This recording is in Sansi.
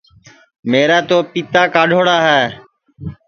میرا تو پِتا کاڈؔوڑا ہے